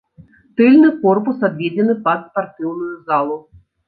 Тыльны корпус адведзены пад спартыўную залу.